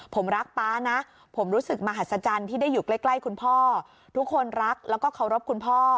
ผมรักป๊านะผมรู้สึกมหัศจรรย์ที่ได้อยู่ใกล้คุณพ่อทุกคนรักแล้วก็เคารพคุณพ่อ